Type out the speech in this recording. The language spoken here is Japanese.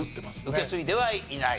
受け継いではいない？